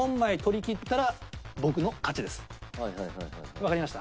わかりました？